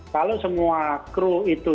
kalau semua kru itu